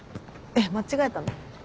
えっ間違えたの？